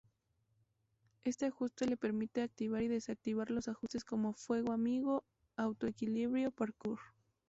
Este ajuste le permite activar y desactivar los ajustes como "fuego amigo", "auto-equilibrio" "Parkour".